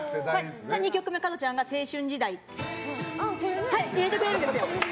２曲目加トちゃんが『青春時代』入れてくれるんです。